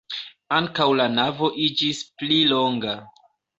Ankaŭ la navo iĝis pli longa.